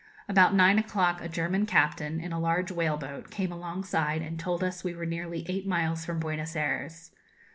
About nine o'clock a German captain, in a large whale boat, came alongside and told us we were nearly eight miles from Buenos Ayres.